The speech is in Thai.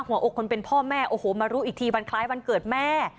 หัวอกคนเป็นพ่อแม่โอ้โหมารู้อีกทีวันคล้ายวันเกิดแม่